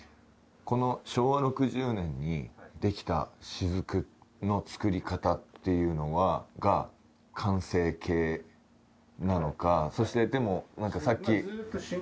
この昭和６０年に出来た「しずく」の造り方っていうのが完成形なのかそしてでも何かさっき。